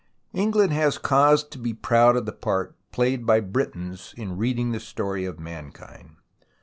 England has cause to be proud of the part played by Britons in reading the story of mankind.